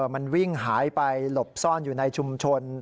มันวิ่งหายไปหลบซ่อนอยู่ในชุมชน